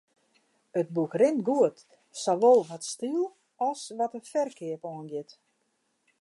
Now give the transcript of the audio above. It boek rint goed, sawol wat styl as wat de ferkeap oangiet.